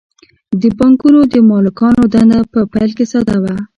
د بانکونو د مالکانو دنده په پیل کې ساده وه